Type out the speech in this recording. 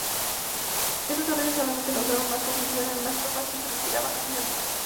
Estas órdenes solamente causaron más confusión en unas tropas que se retiraban rápidamente.